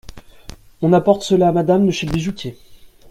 On apporte cela à Madame de chez le bijoutier.